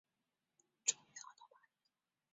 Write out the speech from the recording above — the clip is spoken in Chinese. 终于熬到八点